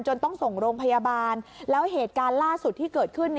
ต้องส่งโรงพยาบาลแล้วเหตุการณ์ล่าสุดที่เกิดขึ้น